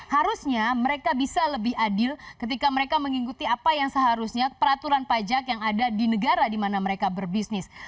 harusnya mereka bisa lebih adil ketika mereka mengikuti apa yang seharusnya peraturan pajak yang ada di negara di mana mereka berbisnis